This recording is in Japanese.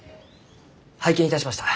拝見いたしました。